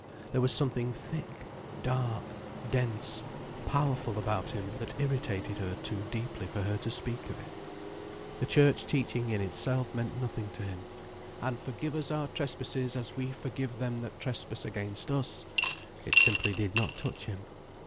There was something thick, dark, dense, powerful about him that irritated her too deeply for her to speak of it. The Church teaching in itself meant nothing to him. "And forgive us our trespasses as we forgive them that trespass against us"—it simply did not touch him.